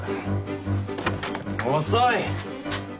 遅い！